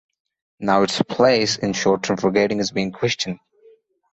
Now, its place in short term forgetting is being questioned.